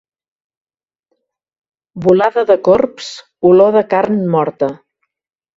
Volada de corbs, olor de carn morta.